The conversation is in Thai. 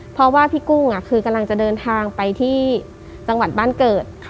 เพราะว่าพี่กุ้งคือกำลังจะเดินทางไปที่จังหวัดบ้านเกิด